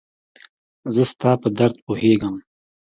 زه ستا په درد پوهيږم